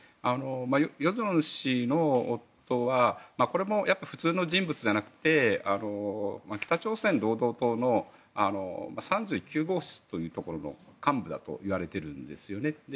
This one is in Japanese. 与正氏の夫はこれも普通の人物ではなくて北朝鮮労働党の３９号室というところの幹部だといわれているんですね。